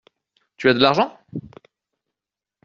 Tu as de l’argent ?